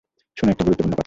শোন, একটা গুরুত্বপূর্ণ কথা।